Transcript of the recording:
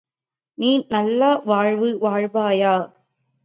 நீ நல்ல வாழ்வு வாழ்வாயா?